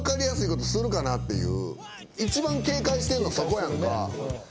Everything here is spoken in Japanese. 一番警戒してるのそこやんか。